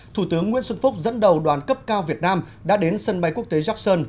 thủ tướng nguyễn xuân phúc dẫn đầu đoàn cấp cao việt nam đã đến sân bay quốc tế jor